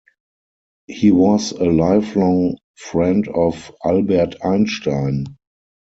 He was a lifelong friend of Albert Einstein.